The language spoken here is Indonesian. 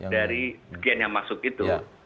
dari sekian yang masuk itu